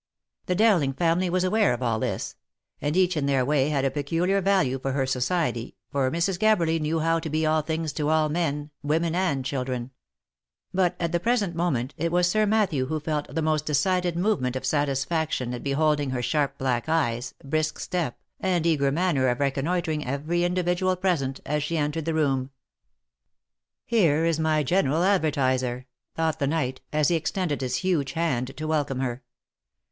The Dowling family was aware of all this ; and each in their way had a peculiar value for her society, for Mrs. Gabberly knew how to be all things to all men, women, and children; but, at the present moment, it was Sir Matthew who felt the most decided movement of satisfaction at beholding her sharp black eyes, brisk step, and eager manner of reconnoitring every individual present, as she en tered the room. " Here is my general advertiser," thought the knight, as he ex tended his huge hand to welcome her.